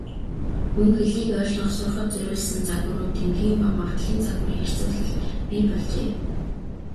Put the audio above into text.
Мөн хэлийг ойлгох, сурахад зориулсан загварууд, тэмдгийн ба магадлалын загварын харьцуулал бий болжээ.